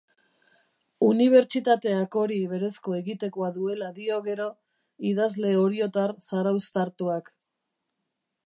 Unibertsitateak hori berezko egitekoa duela dio gero idazle oriotar zarauztartuak.